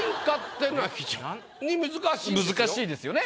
難しいですよね。